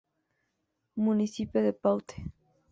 Municipio de Paute